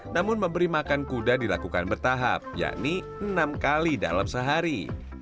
namun memberi makan kuda dilakukan bertahap yakni enam kali dalam sehari